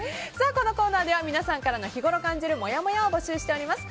このコーナーでは皆さんからの日ごろ感じるもやもやを募集しております。